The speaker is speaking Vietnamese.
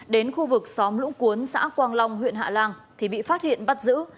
đến khu vực xóm lũng cuốn xã quang long huyện hạ lan thì bị phát hiện bắt giữ